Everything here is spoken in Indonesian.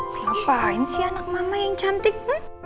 kenapa ini sih anak mama yang cantik